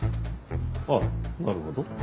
ああなるほど。